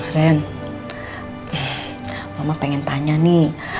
keren mama pengen tanya nih